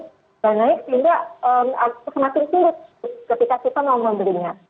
sudah naik sehingga semakin sulit ketika kita mau membelinya